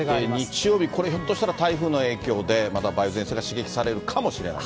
日曜日、これ、ひょっとしたら台風の影響で、また梅雨前線が刺激されるかもしれない。